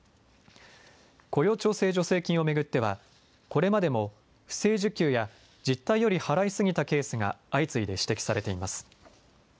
雇用調整助成金を巡ってはこれまでも不正受給や実態より払い過ぎたケースが相次いで指摘されています。